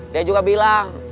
dia juga bilang